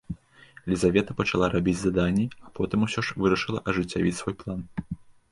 Лізавета пачала рабіць заданні, а потым усё ж вырашыла ажыццявіць свой план.